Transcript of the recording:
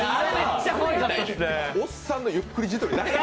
おっさんのゆっくり自撮り。